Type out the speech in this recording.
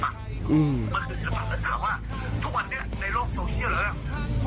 มันคือศิลปะแล้วถามว่าทุกวันนี้ในโลกโซเชียลเหรอเนี่ย